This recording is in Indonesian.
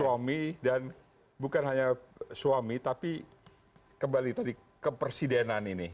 suami dan bukan hanya suami tapi kembali tadi kepresidenan ini